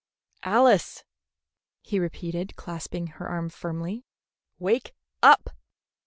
"Alice," he repeated, clasping her arm firmly, "wake up!"